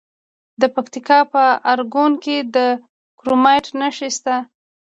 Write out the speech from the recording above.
د پکتیکا په ارګون کې د کرومایټ نښې شته.